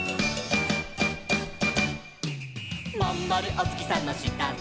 「まんまるお月さんの下で」